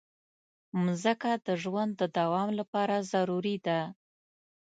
مځکه د ژوند د دوام لپاره ضروري ده.